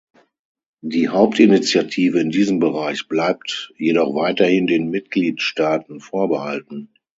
Die Hauptinitiative in diesem Bereich bleibt jedoch weiterhin den Mitgliedstaaten vorbehalten.